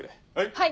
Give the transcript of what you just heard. はい。